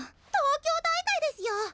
東京大会ですよ